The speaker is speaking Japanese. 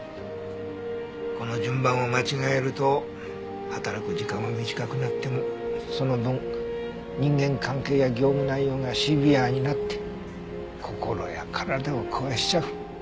この順番を間違えると働く時間は短くなってもその分人間関係や業務内容がシビアになって心や体を壊しちゃう。